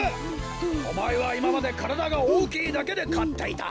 おまえはいままでからだがおおきいだけでかっていた。